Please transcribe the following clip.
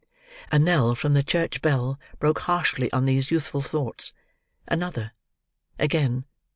A knell from the church bell broke harshly on these youthful thoughts. Another! Again!